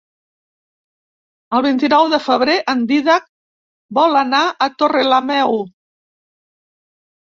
El vint-i-nou de febrer en Dídac vol anar a Torrelameu.